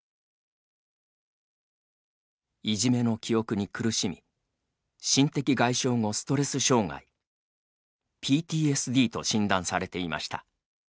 いじめの記憶に苦しみ心的外傷後ストレス障害ＰＴＳＤと診断されていました。